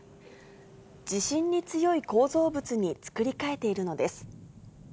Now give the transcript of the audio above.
地震に強い構造物に作りかえているのです。